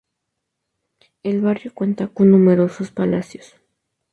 El barrio cuenta con numerosos palacios.